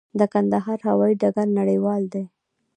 د کندهار هوايي ډګر نړیوال دی؟